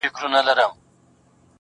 کلی ورو ورو د پیښي له فشار څخه ساه اخلي,